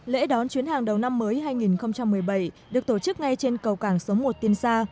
lễ đón chuyến hàng đầu năm mới hai nghìn một mươi bảy được tổ chức ngay trên cầu cảng số một tiên sa